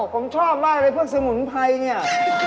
ผมชอบมากเลยพวกสมุนไพรเนี่ย